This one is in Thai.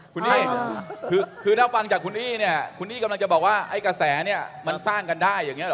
คุณนี่คือถ้าฟังจากคุณนี่เนี่ยคุณนี่กำลังจะบอกว่าไอ้กระแสเนี่ยมันสร้างกันได้อย่างนี้หรอ